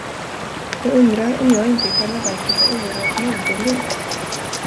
Jag undrar om jag inte i själva verket är oerhört moderlig.